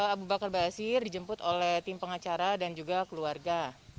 abu bakar basir dijemput oleh tim pengacara dan juga keluarga